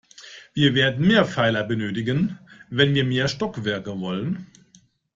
Wir werden mehr Pfeiler benötigen, wenn wir mehr Stockwerke wollen.